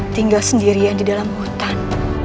tinggal sendirian di dalam hutan